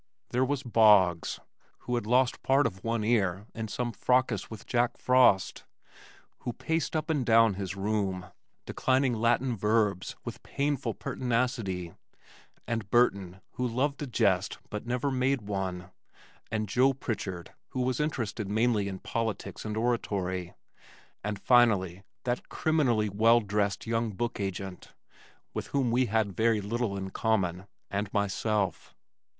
There was Boggs (who had lost part of one ear in some fracas with Jack Frost) who paced up and down his room declining Latin verbs with painful pertinacity, and Burton who loved a jest but never made one, and Joe Pritchard, who was interested mainly in politics and oratory, and finally that criminally well dressed young book agent (with whom we had very little in common) and myself.